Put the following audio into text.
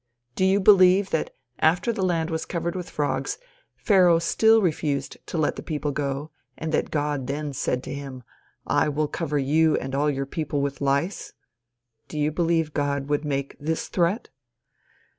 Do you believe that after the land was covered with frogs Pharaoh still refused to let the people go, and that God then said to him, "I will cover you and all your people with lice?" Do you believe God would make this threat?